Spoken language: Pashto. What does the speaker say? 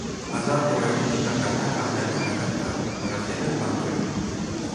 ازادي راډیو د د تګ راتګ ازادي حالت ته رسېدلي پام کړی.